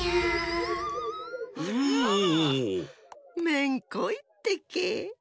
めんこいってけ。